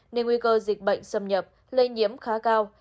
nên nguy cơ dịch bệnh xâm nhập lây nhiễm khá cao